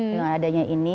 dengan adanya ini